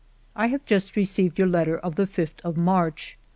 I have just received your letter of the 5th of March.